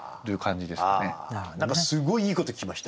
何かすごいいいこと聞きました。